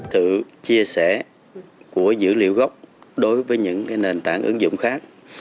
sự chia sẻ của dữ liệu gốc đối với những nền tảng ứng dụng khác